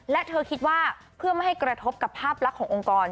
และเธอคิดว่าเพื่อไม่ให้กระทบกับภาพลักษณ์ขององค์กร